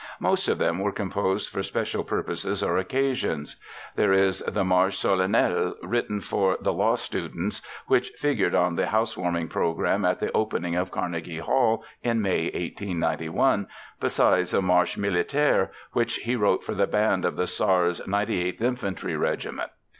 Most of them were composed for special purposes or occasions. There is the Marche Solennelle, written "for the Law Students," which figured on the housewarming program at the opening of Carnegie Hall in May, 1891, besides a Marche Militaire, which he wrote for the band of the Czar's 98th Infantry Regiment.